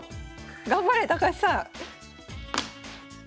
頑張れ高橋さん。